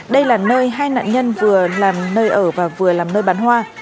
đây là nơi hai nạn nhân vừa làm nơi ở và vừa làm nơi bán hoa